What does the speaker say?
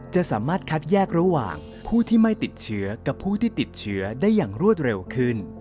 จะสามารถคัดแยกระหว่างผู้ที่ไม่ติดเชื้อกับผู้ที่ติดเชื้อได้อย่างรวดเร็วขึ้น